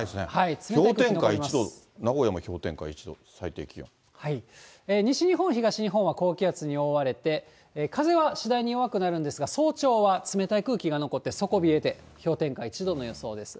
氷点下１度、名古屋の氷点下１度、西日本、東日本は高気圧に覆われて、風は次第に弱くなるんですが、早朝は冷たい空気が残って、底冷えで、氷点下１度の予想です。